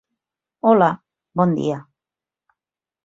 Hola, bon dia...